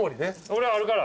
俺あるから。